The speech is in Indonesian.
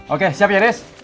oke siap ya des